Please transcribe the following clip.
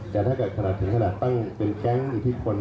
แต่ถ้าถ้าถึงขนาดตั้งเป็นแก๊งอีกที่คน